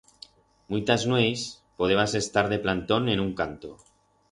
Muitas nueits podebas estar de plantón en un canto.